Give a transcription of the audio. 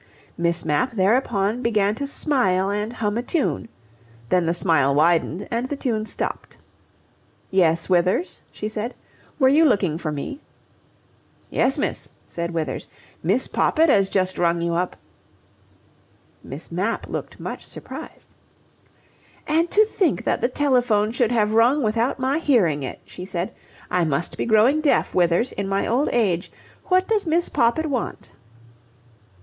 Miss Mapp thereupon began to smile and hum a tune. Then the smile widened and the tune stopped. "Yes, Withers?" she said. "Were you looking for me?" "Yes, Miss," said Withers. "Miss Poppit has just rung you up " Miss Mapp looked much surprised. "And to think that the telephone should have rung without my hearing it," she said. "I must be growing deaf, Withers, in my old age. What does Miss Poppit want?"